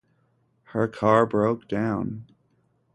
Her car broke down.